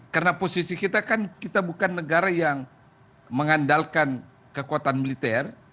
karena posisi kita kan kita bukan negara yang mengandalkan kekuatan militer